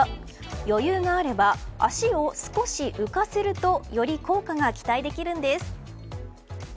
余裕があれば足を少し浮かせるとより効果が期待できるんです。